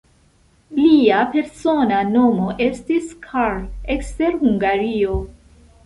Lia persona nomo estis "Carl" ekster Hungario.